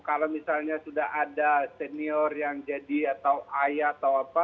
kalau misalnya sudah ada senior yang jadi atau ayah atau apa